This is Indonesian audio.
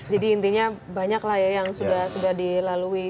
jadi intinya banyak lah ya yang sudah sudah dilalui